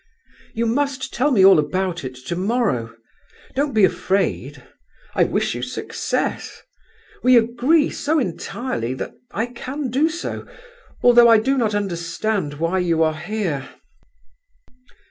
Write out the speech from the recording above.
"You must tell me all about it tomorrow! Don't be afraid. I wish you success; we agree so entirely that I can do so, although I do not understand why you are here.